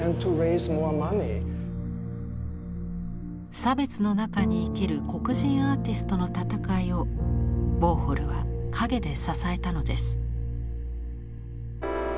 差別の中に生きる黒人アーティストのたたかいをウォーホルは陰で支えたのです。